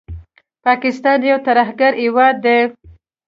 پاکستان یو ترهګر هیواد دي